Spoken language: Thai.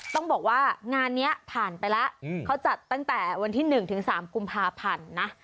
ต้องบอกว่างานนี้ผ่านไปแล้วเขาจัดตั้งแต่วันที่๑ถึง๓กุมภาพันธ์นะ